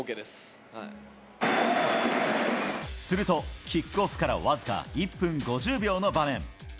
すると、キックオフから僅か１分５０秒の場面。